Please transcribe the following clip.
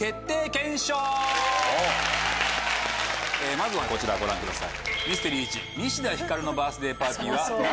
まずはこちらご覧ください。